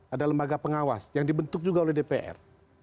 ada lembaga pengawas yang dibentuk juga oleh dpr